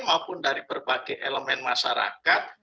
maupun dari berbagai elemen masyarakat